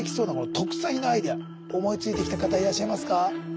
特産品のアイデア思いついてきた方いらっしゃいますか？